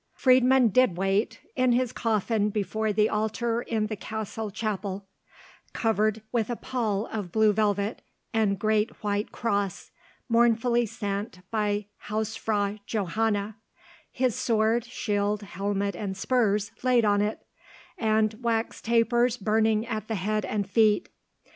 Friedmund did wait, in his coffin before the altar in the castle chapel, covered with a pall of blue velvet, and great white cross, mournfully sent by Hausfrau Johanna; his sword, shield, helmet, and spurs laid on it, and wax tapers burning at the head and feet.